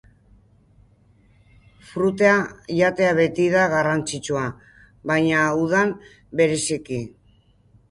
Fruta jatea beti da garrantzitsua, baina udan, bereziki.